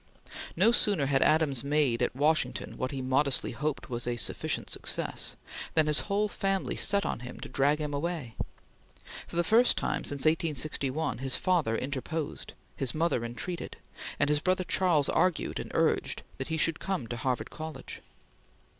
No sooner had Adams made at Washington what he modestly hoped was a sufficient success, than his whole family set on him to drag him away. For the first time since 1861 his father interposed; his mother entreated; and his brother Charles argued and urged that he should come to Harvard College.